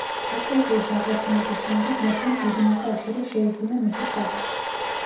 ეკლესიის აღორძინების შემდეგ მეფემ დიდი მოკავშირე შეიძინა მისი სახით.